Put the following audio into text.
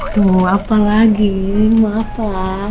tuh apa lagi mau apa